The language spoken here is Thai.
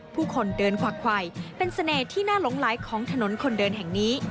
ผู้คนเดินขวากไขวเป็นเสน่ห์ที่น่าหลงไหลของถนนคนเดินแห่งนี้